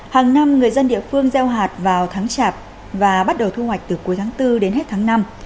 hàng năm người dân địa phương gieo hạt vào tháng chạp và bắt đầu thu hoạch từ cuối tháng bốn đến hết tháng năm